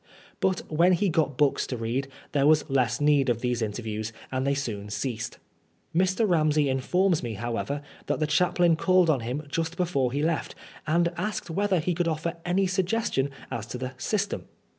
But when he got books to read there was less need of these inter views, and they soon ceased. Mr. Ramsey informs me, however, that the chaplain called on him just before he left, and asked whether he could offer any sugges tions as to the '* system."